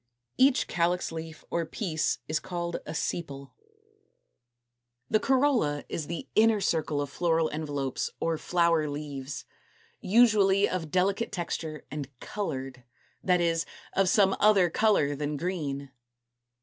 Each calyx leaf or piece is called a SEPAL. 231. =The Corolla= is the inner circle of floral envelopes or flower leaves, usually of delicate texture and colored, that is, of some other color than green.